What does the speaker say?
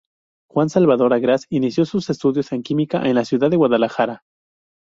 Juan Salvador Agraz, inició sus estudios en Química en la Ciudad de Guadalajara.